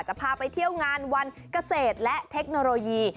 จะพาไปเที่ยวงานวันเกษตรและเทคโนโลยี